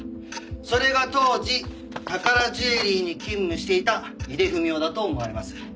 それが当時宝ジュエリーに勤務していた井出文雄だと思われます。